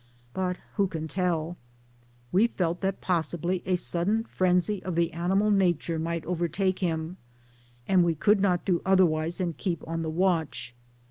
But who can tell? We felt that possibly a sudden frenzy of the animal nature might overtake him ; and we could not do otherwise than keep on the watch.